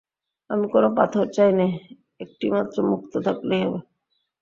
আমি কোনো পাথর চাই নে, একটিমাত্র মুক্তো থাকলেই হবে।